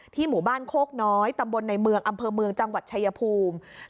หมู่บ้านโคกน้อยตำบลในเมืองอำเภอเมืองจังหวัดชายภูมิ